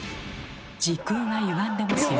時空がゆがんでますよ。